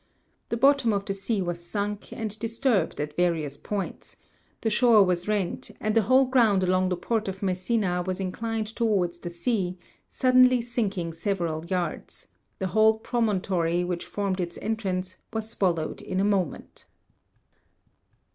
The bottom of the sea was sunk, and disturbed at various points ; the shore was rent, and the whole ground along the port of Messina was inclined towards the sea, suddenly sinking several yards ; the whole promontory which formed its entrance was swal lowed in a moment.